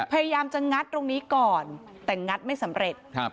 พยายามจะงัดตรงนี้ก่อนแต่งัดไม่สำเร็จ